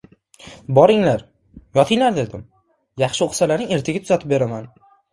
— Boringlar, yotiiglar, — dedim. —Yaxshi o‘qisalariig, ertaga tuzatib beraman.